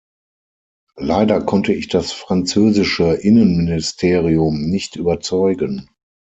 Leider konnte ich das französische Innenministerium nicht überzeugen.